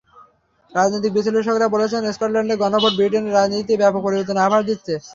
রাজনৈতিক বিশ্লেষকরা বলছেন, স্কটল্যান্ডের গণভোট ব্রিটেনের রাজনীতিতে ব্যাপক পরিবর্তনের আভাস দিচ্ছে।